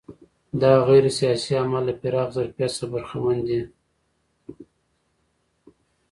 دا غیر سیاسي اعمال له پراخ ظرفیت څخه برخمن دي.